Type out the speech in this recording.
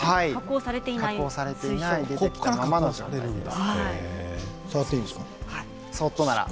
加工されていない生の原石です。